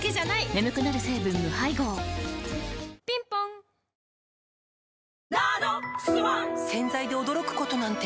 眠くなる成分無配合ぴんぽん洗剤で驚くことなんて